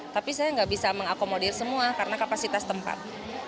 tapi saya nggak bisa mengakomodir semua karena kapasitas tempat